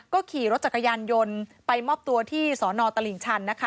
ก็ขี่รถจักรยานยนต์ไปมอบตัวที่สอนอตลิ่งชันนะคะ